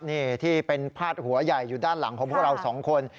นี่ที่เป็นพาดหัวใหญ่อยู่ด้านหลังของพวกเราสองคน